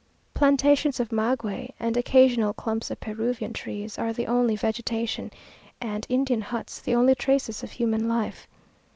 Plantations of maguey and occasional clumps of Peruvian trees are the only vegetation, and Indian huts the only traces of human life.